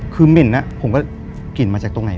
คือเหม็นผมก็กลิ่นมาจากตรงไหน